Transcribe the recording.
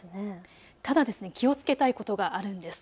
ただ気をつけたいことがあるんです。